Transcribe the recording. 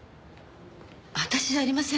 私じゃありません。